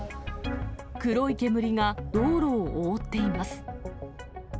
黒い煙が道路を覆っています。